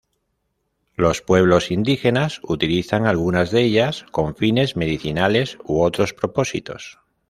Los pueblos indígenas utilizan algunas de ellas con fines medicinales u otros propósitos.